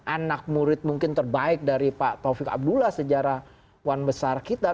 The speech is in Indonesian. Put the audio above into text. anak murid mungkin terbaik dari pak taufik abdullah sejarah wan besar kita